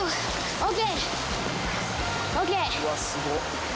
ＯＫ。